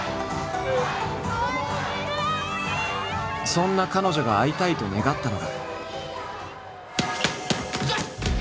そんな彼女が会いたいと願ったのが。